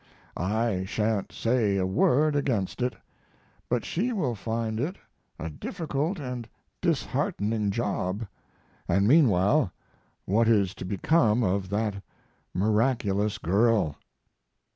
I sha'n't say a word against it, but she will find it a difficult & disheartening job, & meanwhile what is to become of that miraculous girl?